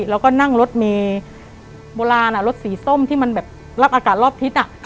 แล้วก็นั่งรถเมย์โบราณรถสีส้มที่มันแบบรับอากาศรอบทิศ